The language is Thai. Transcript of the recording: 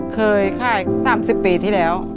เคยขาย๓๐ปีที่แล้ว